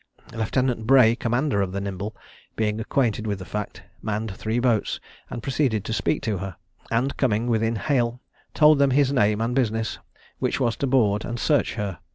Lieutenant Bray, commander of the Nimble, being acquainted with the fact, manned three boats, and proceeded to speak to her, and, coming within hail, told them his name and business, which was to board and search her.